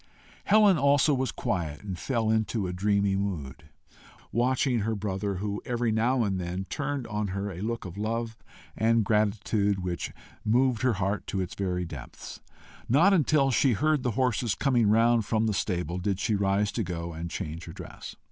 Helen also was quiet, and fell into a dreamy mood, watching her brother, who every now and then turned on her a look of love and gratitude which moved her heart to its very depths. Not until she heard the horses coming round from the stable, did she rise to go and change her dress.